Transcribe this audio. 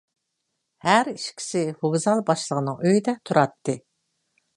ھەر ئىككىسى ۋوگزال باشلىقىنىڭ ئۆيىدە تۇراتتى.